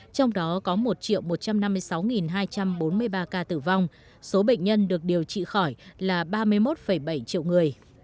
trong đó có một một trăm năm mươi sáu hai trăm bốn mươi ba ca tử vong số bệnh nhân được điều trị khỏi là ba mươi một bảy triệu người